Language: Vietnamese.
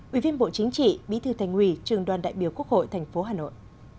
ủy viên bộ chính trị bí thư thành hủy trường đoàn đại biểu quốc hội tp hà nội